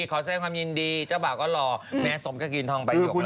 ขอแสดงความยินดีเจ้าบ่าก็หล่อแม้ซมก็กินทองไปหยุดเลยจริง